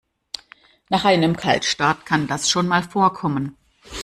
Nach einem Kaltstart kann das schon mal vorkommen.